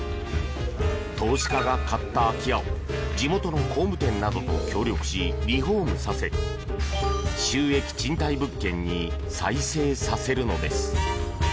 投資家が買った空き家を地元の工務店などと協力しリフォームさせ収益賃貸物件に再生させるのです。